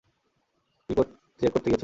কী check করতে গিয়েছিলে?